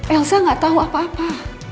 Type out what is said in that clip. elsa gak tau apa apa